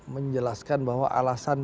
menjelaskan bahwa alasan